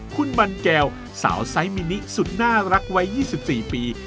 คุณบันแก้วสาวไซส์มินิสุดน่ารักวัย๒๔ปี